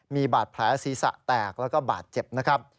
มีบาดแผลศีรษะแตกและบาดเจ็บ